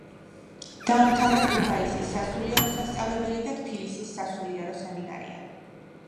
დაამთავრა ქუთაისის სასულიერო სასწავლებელი და თბილისის სასულიერო სემინარია.